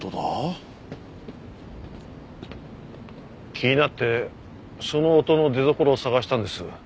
気になってその音の出どころを探したんです。